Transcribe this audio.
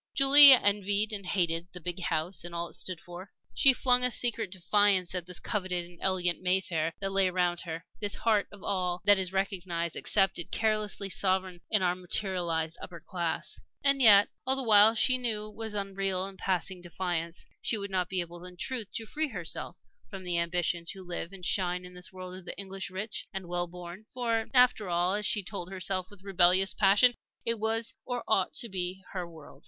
Julie envied and hated the big house and all it stood for; she flung a secret defiance at this coveted and elegant Mayfair that lay around her, this heart of all that is recognized, accepted, carelessly sovereign in our "materialized" upper class. And yet all the while she knew that it was an unreal and passing defiance. She would not be able in truth to free herself from the ambition to live and shine in this world of the English rich and well born. For, after all, as she told herself with rebellious passion, it was or ought to be her world.